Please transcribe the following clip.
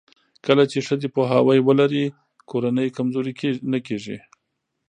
کله چې ښځې پوهاوی ولري، کورنۍ کمزورې نه کېږي.